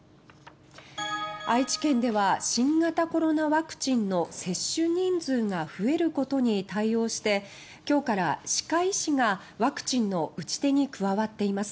愛知県では新型コロナワクチンの接種人数が増えることに対応してきょうから歯科医師がワクチンの打ち手に加わっています。